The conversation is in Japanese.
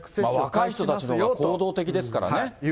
若い人たちのほうが行動的ですからね。